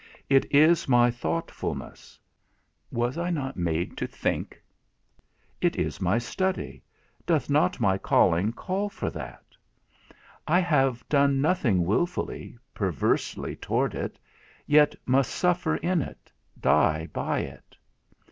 It is my thoughtfulness; was I not made to think? It is my study; doth not my calling call for that? I have done nothing wilfully, perversely toward it, yet must suffer in it, die by it.